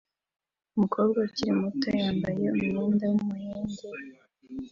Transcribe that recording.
Umukobwa ukiri muto yambaye umwenda w'umuhengeri